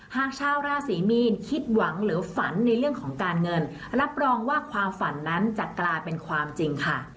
หากชาวราศรีมีนคิดหวังหรือฝันในเรื่องของการเงินรับรองว่าความฝันนั้นจะกลายเป็นความจริงค่ะ